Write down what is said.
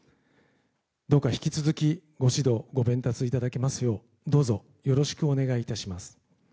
どうか引き続きご指導、ご鞭撻いただきますようどうぞよろしくお願いいたします。